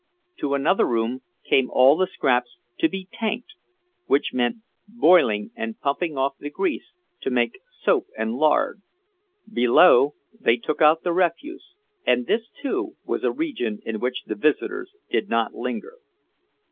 To another room came all the scraps to be "tanked," which meant boiling and pumping off the grease to make soap and lard; below they took out the refuse, and this, too, was a region in which the visitors did not linger.